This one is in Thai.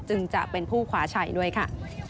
จึงจะเป็นผู้ขวาชัยด้วยค่ะ